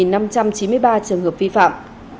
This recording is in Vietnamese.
đã phát hiện một năm trăm chín mươi ba trường hợp vi phạm